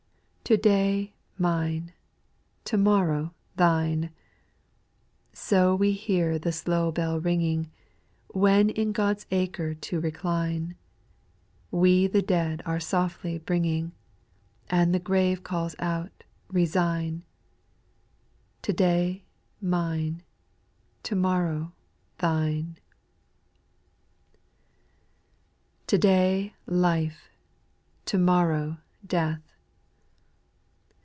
fpO DAY mine, to morrow thine 1 A So we hear the slow bell ringing, When in God's acre to recline, We the dead are softly bringing : And the grave calls out, Resign ! To day mine, to morrow thine 1 2. To day life, to morrow death